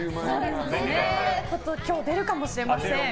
今日、出るかもしれません。